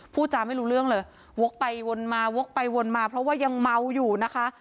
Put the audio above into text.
พูดจาไม่รู้เรื่องเลยวกไปวนมาวกไปวนมาเพราะว่ายังเมาอยู่นะคะ